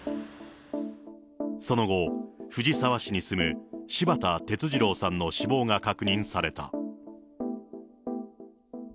その後、藤沢市に住む柴田哲二郎さんの死亡が確認された。